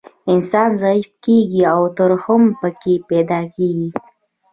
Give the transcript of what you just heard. انسان ضعیف کیږي او ترحم پکې پیدا کیږي